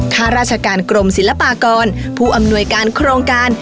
ข้าราชการกรมศิลปากรผู้อำนวยการโครงการ